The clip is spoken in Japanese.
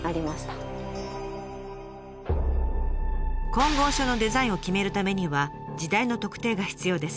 金剛杵のデザインを決めるためには時代の特定が必要です。